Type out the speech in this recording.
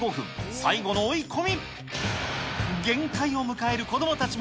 最後の追い込み。